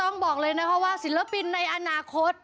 ต้องบอกเลยนะครับว่าศิลปินในอนาคต